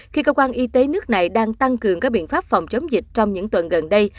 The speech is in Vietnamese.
khi cơ quan y tế nước này đang tăng cường các biện pháp phòng chống dịch trong những tuần gần đây